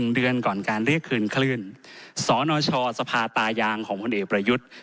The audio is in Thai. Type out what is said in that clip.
๑เดือนก่อนการเรียกคืนคลื่นสนชสภาตายางของพลเอกประยุทธ์